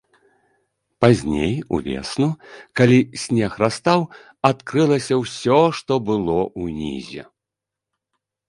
Пазней, увесну, калі снег растаў, адкрылася ўсё, што было ўнізе.